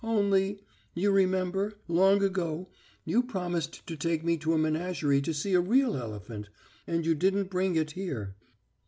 Only ... you remember ... long ago, you promised to take me to a menagerie to see a real elephant ... and you didn't bring it here...."